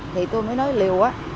thì tôi mới nói liều á